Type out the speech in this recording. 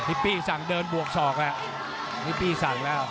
นี่ปี้สั่งเดินบวกสอกละ